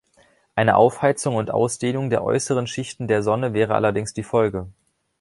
Eine Aufheizung und Ausdehnung der äußeren Schichten der Sonne wäre allerdings die Folge.